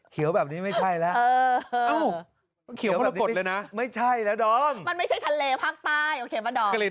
เขียวแบบนี้ไม่ใช่เหรอ